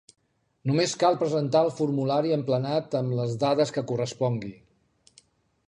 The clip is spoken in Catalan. Només cal presentar el formulari emplenat amb les dades que correspongui.